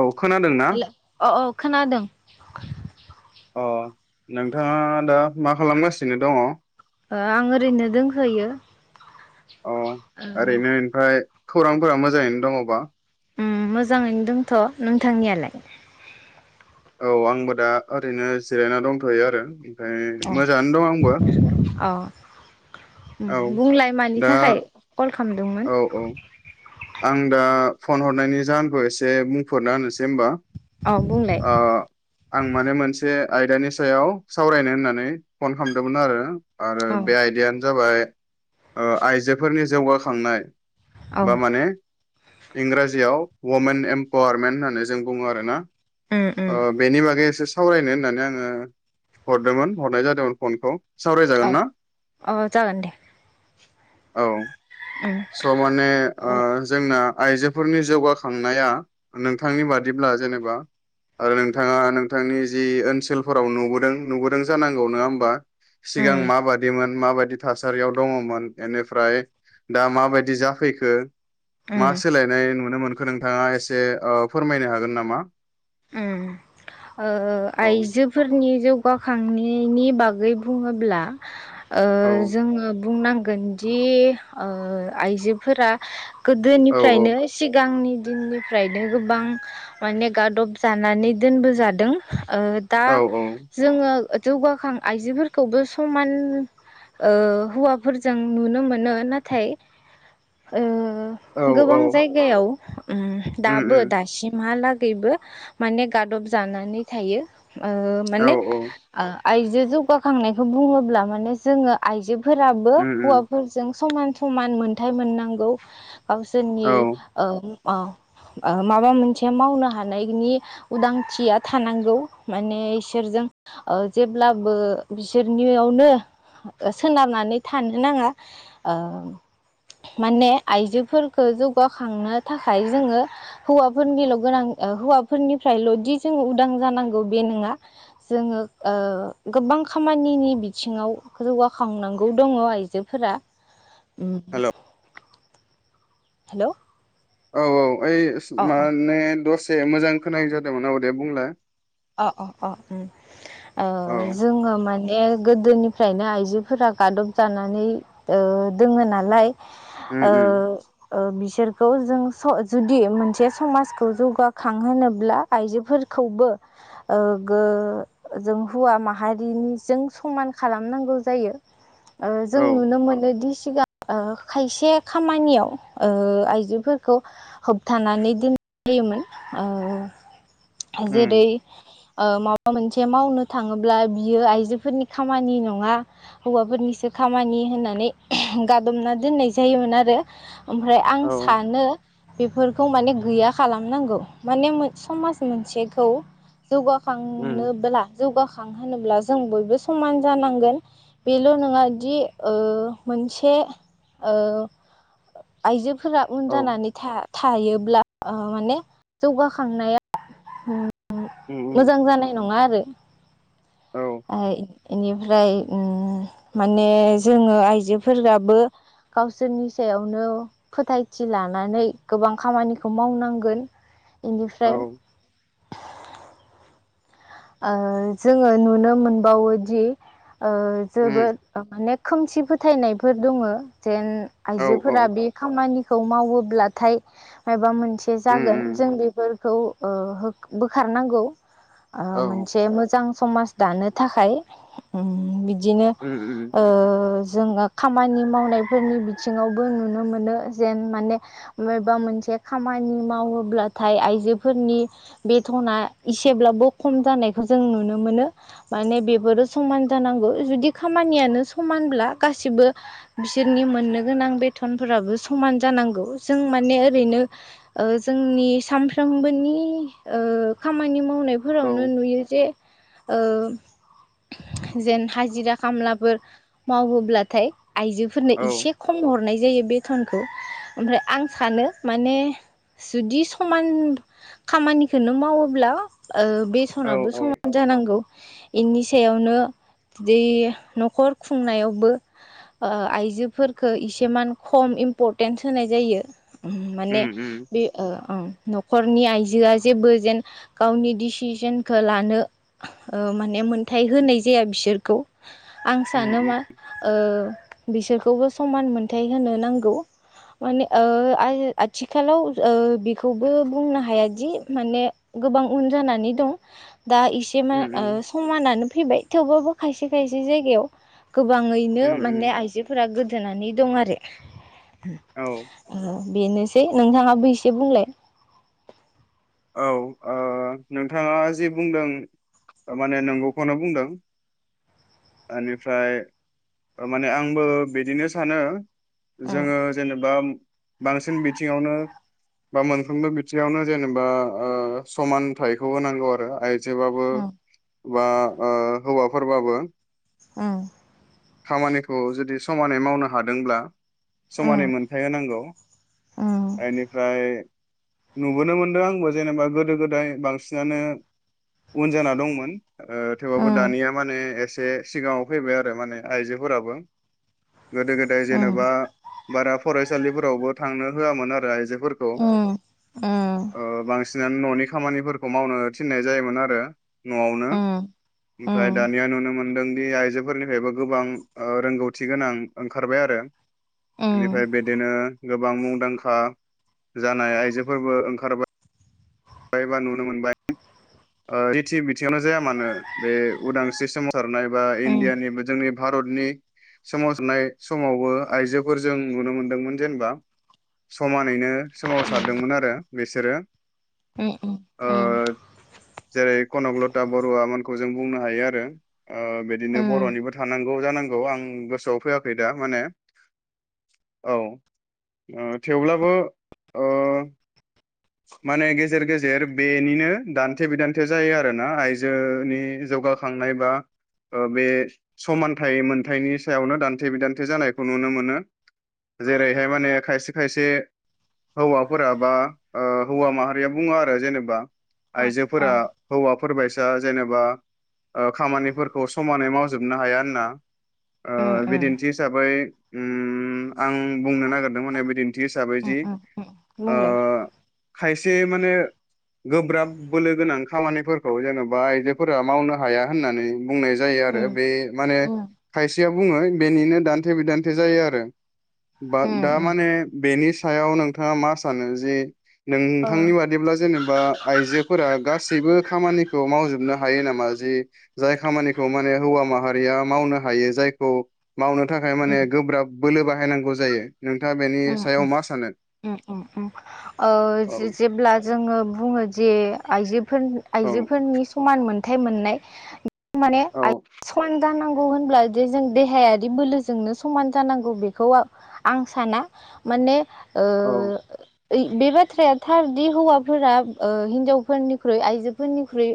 औ खोनादोंना? हेल' अ औ खोनादों अ नोंथाङा दा मा खालामगासिनो दङ? ओ ओरैनो दोंहोयो। ओरैनो ओमफ्राय खौरांफोरा मोजाङैनो दङबा? उम मोजाङैनो दंथ' नोंथांनियालाय? औ आंबो दा ओरैनो जिरायना दंथ'यो आरो ओमफ्राय मोजाङानो दं आंबो। अ औ बुंलाय मानि दा थाखाय कल खालाम औ औ आं दा फन हरनायनि जाहोनखौ एसे बुंफोरना होनोसै होमबा औ बुंलाय ओ आं माने मोनसे आयदानि सायाव सावरायनो होननानै फन खालामदोंमोन आरो। आरो औ बे आयदियानो जाबाय। [inaudible] ओ आइजोफोरनि। जौगाखांनाय। औ बा माने। इंराजियाव वमेन एम्पावारमेन्ट होननानै जों बुङो आरो ना। उम उम अ बेनि बागै एसे। सावरायनो होननानै आङो हरदोंमोन हरनाय जादोंमोन फनखौ। सावरायजागोन औ ना औ जागोन दे। औ। उम स' माने अ ओ जोंना। आइजोफोरनि जौगाखांनाया नोंथांनि बादिब्ला जेनेबा आरो नोंथाङा नोंथांनि जि ओनसोलफोराव नुबोदों नुबोदों जानांगौ नङा होमबा। उम सिगां माबादिमोन माबायदि। बादि थासारियाव दङमोन बेनिफ्राय। दा माबायदि जाफैखो। उम मा सोलायनाय नुनो मोन। खो नोंथाङा एसे फोरमायनो हागोन नामा। ओम ओ औ आइजोफोरनि जौ। गाखांनायनि बागै बुङोब्ला। ओ औ जोङो। बुंनांगोनदि ओ आइजोफोरा। औ गोदोनिफ्रायनो सिगांनि। दिननिफ्रायनो गोबां माने गादब। जानानै दोनबोजादों। ओ दा औ जोङो। जौगाखां आइजोफोरखौबो समान ओ हौवाफोरजों नुनो मोनो नाथाय ओ। औ ओ औ गोबां जायगायाव। उम दाबो दासिमहाला। गैबो। माने गादब जानानै थायो। ओ औ माने औ आ। आइजो जौगाखांनायखौ बुङोब्ला माने जोङो आइजो फोराबो। उम उम समान समान मोनथाय मोननांगौ। गावसोरनि औ ओ औ ओ माबा मोनसे मावनो हानायनि उदांथिया थानांगौ माने इसोरजों ओ जेब्लाबो बिसोरनियावनो सोनारनानै थानो नाङा ओ माने आइजोफोरखौ जौगाखांनो थाखाय जोङो हौवाफोरनिल' गोनां हौवा फोरनिफ्रायल'दि जोंङो उदां जानांगौ बे नङा, जोंङो ओ गोबां खामानिनि बिथिङाव जौगाखांनांगौ दङ आइजोफोरा। उम्म हेल' हेल' औ औ ऐ इस माने दस एसे मोजां खोनायै जादोंमोन ओ दे बुंलाय। अ अ अ उम्म ओ औ जोंङो माने ए गोदोनिफ्रायनो आइजोफोरा गादब जानानै ओ दोंङो नालाय। उम ओ उम ओ बिसोर खौ जों स जुदि मोनसे समाजखौ जौगाखांहोब्ला आइजोफोरखौबो औ गो जों हौवा माहारिनिजों सममान खालामनांगौ जायो। ओ जों औ नुनो मोनो दिस सिगां ओ खायसे खामानियाव ओ आइजोफोरखौ होबथानानै दोनलायोमोन ओ जेरै उम ओ माबा मोनसे मावनो थाङोब्ला बियो आइजोफोरनि खामानि नङा हौवाफोरनिसो खामानि होननानै गादबना दोननाय जायोमोन आरो। ओमफ्राय आं औ सानो बेफोरखौ माने गैया खालामनांगौ, माने समाज मोनसेखौ जौगाखांनो उम बोला जौगा बां होनोब्ला जों बयबो समान जानांगोन बेल' नङा दि ओ मोनसे ओ आइजो फोरा उन औ जानानै था थायोब्ला माने ओ जौगाखांनाया उम्म उम उम मोजां जानाय नङा आरो। औ ओ इनिफ्राय उम्म माने जोंङो आइजोफोराबो गावसोरनि सायावनो फोथायथि लानानै गोबां खामानिखौ मावनांगोन। इनिफ्राय औ औ जोंङो नुनो मोनबावोदि औ उम जोबोद ओ माने खोमसिफो फोथायनायफोर दङो जेन औ आइजोफोरा बे खामानिखौ मावो ब्लाथाय मायबा मोन से उम जागोन उम जों बेफोर खौ ओ बोखारनांगौ। ओ औ मोनसे मोजां समाज दानो थाखाय उम बि बिदिनो उम उम ओ जोङो खामानि मावनायफोरनि बिथिङावबो नुनो मोनो जेन माने मेबा मोनसे खामानि मावोब्लाथाय आइजोफोरनि बेथ'ना एसेब्लाबो खम जानायखौ जों नुनो मोनो माने बेफोरो समान जानांगौ जुदि खामानियानो समानब्ला गासिबो बिसोरनि मोननो गोनां बेथनफोराबो समान जानांगौ जों माने ओरैनो जोंनि ओ सानफ्रोमबोनि ओ खामानि मावनाय। औ फोरावनो नुयो जे ओ जेन हाय जिरा खामलाफोर मावोब्ला थाय आइजोफोरनो इसे खम हरनाय जायो बेथनखौ ओमफ्राय आं सानो माने जुदि समान खामानिखौनो मावोब्ला ओ औ बेथनाबो समान जानांगौ। इनि सायावनो बि न'खर खुंनायावबो ओ आइजोफोरखो इसेमान खम इम्परटेन्स होनाय जायो। माने उम उम बे ओ न'खर नि आइजोआ जेबो जेन गावनि डिसिजनखौ लानो ओ माने मोनथाय होनाय जाया बिसोरखौ। आं उम सानो उम मा? ओ बिसोरखौबो समान मोनथाय होनो नांगौ माने ओ आथिखालाव ओ बेखौबो बुंनो हायादि माने गोबां उन जानानै दं। दा एसे मा उम समानानो फैबाय थेवबाबो खायसे खायसे जायगायाव गोबाङैनो उम उम माने आइजोफोरा गोदोनानै दं आरो। औ ओ बेनोसै नोंथाङाबो एसे बुंलाय औ ओ नोंथाङा जि बुंदों माने नंगौखौनो बुंदों। बेनिफ्राय माने आंबो बिदिनो सानो। जोङो जेनेबा बांसिन बिथिङावनो बा मोनफ्रोमबो बिथिङावनो जेनेबा बा ओ समान थायखौ होनांगौ आरो आइ जोबाबो उम बा ओ हौवाफोरबाबो। उम। खामानिखौ जुदि समानै मावनो हादोंब्ला समानै मोनथाय होनांगौ बेनिफ्राय नुबोनो मोन दो आंबो जेनेबा गोदो गोदाय बांसिनानो उन जाना दंमोन। थेवबाबो दानिया माने एसे दे सिगाङाव फैबाय आरो माने आइजोफोराबो गोदो गोदाय उम जेनेबा बारा फरायसालिफोरावबो थांनो होआमोन आरो आइजो अम अम। अ बांसिन फैनानै न'नि खामानिफोरखौ मावनो थिननाय जायोमोन आरो। न'आवनो उम ओमफ्राय उम दानिया नुनो मोनदों। नि आइजोफोरनिफ्रायबो गोबां रोंगौथि गोनां ओंखारबाय आरो उम बेनिफ्राय बिदिनो गोबां मुंदांखा जानाय आइजोफोरबों ओं खारबाय। बा नुनो मोनबाय अ जेथिं बिथिङावनो जाया मानो बे उदांस्रि समाव सारनाय बा उम इण्डियानिबो जोंनि भारतनि सोमावारनाय समावबो आइजोफोर जों नुनो मोनदोंमोन जेनेबा समान नैनो सोमावसारदोंमोन आरो। बिसोरो उ उ उम। ओ जेरै कनकलथा बरुव मोनखौ जों बुंनो हायो आरो। बिदिनो उम बर'निबो थानांगौ जानांगौ। औ आं गोसोआव फैयाखै दा माने औ थेवब्लाबो ओ माने गेजेर गेजेर बेनिनो दान्थे बिदान्थे जायो आरोना आइजोनि जौगाखांनाय बा ओ बे समानथाइ मोनथाइनि सायावनो दान्थे बिदान्थे जानायखौ नुनो मोनो जेरैहाय माने खायसे खायसे हौवाफोरा बा हौवा माहारिया बुङो आरो जेनेबा अ अ आइजोफोरा हौवा फोरबायसा जेनेबा खामानिफोरखौ समानै मावजोबनो हाया होनना। उम ओ उम बिदिन्थि हिसाबै उम आं बुंनो नागिरदोंमोन बिदिन्थि हिसाबै जि ओ बुंंलाय खायसे माने गोब्राब बोलो गोनां खामानिफोरखौ जेनेबा आइजोफोरा मावनो हाया होननानै बुंनाय जायो आरो। उम बे माने खायसेया बुङो बेनिनो दान्थे बिदान्थे जायो आरो बा दा उम माने बेनि सायाव नोंथाङा मा सानो जे ओ नोंथांनि बादिब्ला जेनेबा बा आइजोफोरा गासैबो खामानिखौ मावजोबनो हायो नामा जि जाय खामानिखौ माने हौवा माहारिया मावनो हायो जायखौ मावनो थाखाय उम माने गोब्राब बोलो बाहायनांगौ जायो। नोंथाङा बेनि उम सायाव उम मा सानो? उम उम उम ओ औ जेब्ला जोङो बुङो जे आइजो औ आइजोफोरनि समान मोन थाय मोननाय माने औ आइ साय दानांगौ नौ होनब्ला जे जों देहायारि बोलोजोंनो समान जानांगौ बेखौ आं आंसाना माने ओ बे बाथ्राया थार दि हौवाफोरा ओहिनजावफोरनिख्रुइ आइजोफोरनिख्रुइ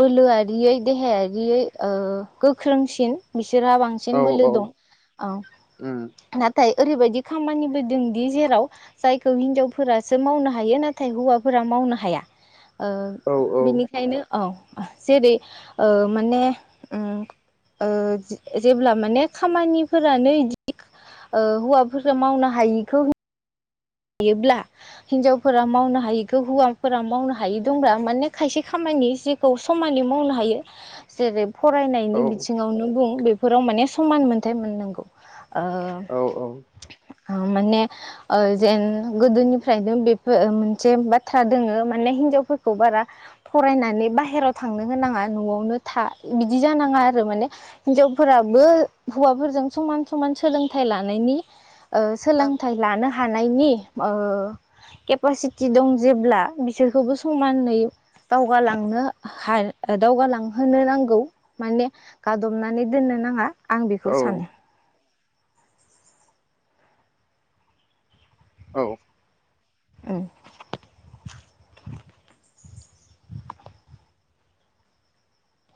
बोलोआरियै देहायारियै ओ गोख्रोंसिन बिस सोरा औ बांसिन बोलो औ दं उम औ ओरैबायदि खामानि दोंदि जेराव जायखौ हिनजावफोरासो मावनो हायो नाथाय हौवाफोरा मावनो हाया ओ औ बिनिखायनो औ जेरै ओ माने उम ओ जेब्ला माने खामानिफोरानो बिदि ओ हौवाफोरा मावना हायिखौ हायोब्ला हिनजावफोरा मावनो हायैखौ हौवाफोरा मावनो हायै दंब्ला माने खायसे खामानि जेखौ समानै मावनो हायो जेरै औ फरायनायनि बिथिङावनो बुं बे फोराव माने समान मोन्थाय मोननांगौ ओ औ ओ माने ओ जेन गोदोनिफ्रायनो बेफोर मोनसे बाथ्रा दोङो माने हिनजावफोरखौ बारा फरायनानै बाहेराव थांनो होनाङा नआवनो था बिदि जानाङा आरो माने हिनजावफोराबो हौवाफोरजों समान समान सोलोंथाइ लानायनि ओ सोलोंथाइ लानो हाग हानायनि ओ केपासिटि दं जेब्ला बिसोरखौबो समानै दावगालांनो हाय दावगालांहोनो नांगौ माने गादबनानै दोननो नाङा आं बेखौ औ सानो औ उम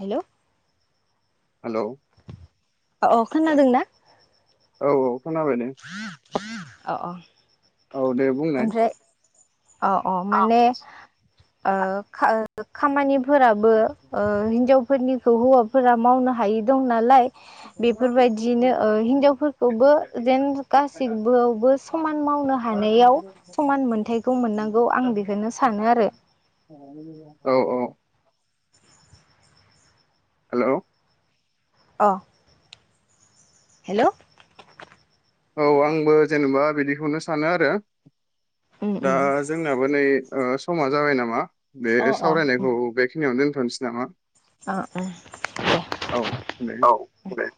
हेल हेल अ खोनादों ना औ औ खोनाबाय दे अ औ औ दे बुंनाय औ औ माने ओ ख खामानि फोराबो ओ हिनजावफोरनिखौ हौवाफोरा मावनो हायै दं नालाय। बेफोरबायदिनो ओ हिनजावफोरखौबो जेन गासिबोआवबो समान मावनो हानायाव समान मोनथायखौ मोननांगौ आं बेखौनो सानो आरो। औ औ हेलौ। अ'। हेल'। औ आंबो जेनबा बिदिखौनो सानो आरो। उम दा उम जोंनाबो नै ओ समा जाबाय नामा? बे अ सावरायनायखौ बेखिनियावनो दोन दोनसै नामा? अ' औ दे उम दे।